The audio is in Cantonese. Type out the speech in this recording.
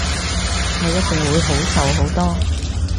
我一定會好受好多